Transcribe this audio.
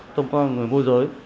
thông qua người môi giới